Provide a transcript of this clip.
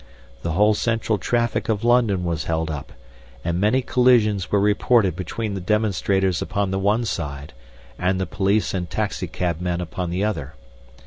The whole central traffic of London was held up, and many collisions were reported between the demonstrators upon the one side and the police and taxi cabmen upon the other.